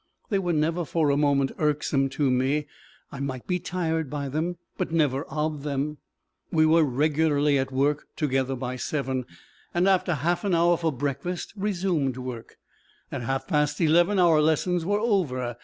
They were never for a moment irksome to me; I might be tired by them, but never of them. We were regularly at work together by seven, and after half an hour for breakfast, resumed work; at half past eleven our lessons were over.